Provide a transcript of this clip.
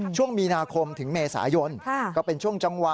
ช่วงมีนาคมถึงเมษายนก็เป็นช่วงจังหวะ